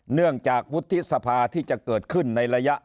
เนื่องจากวุฒิสภาที่จะเกิดขึ้นในระยะ